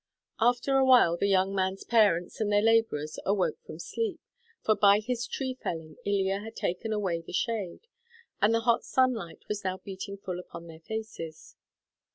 After a while the young man's parents and their labourers awoke from sleep, for by his tree felling Ilya had taken away the shade, and the hot sunlight was now beating full upon their faces.